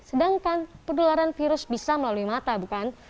sedangkan penularan virus bisa melalui mata bukan